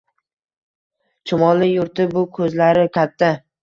Chumoli yurti bu, ko‘zlari katta